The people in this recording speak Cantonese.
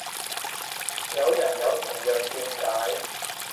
有人有同樣見解